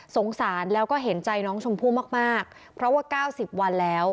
สารแล้วก็เห็นใจน้องชมพู่มากเพราะว่า๙๐วันแล้ว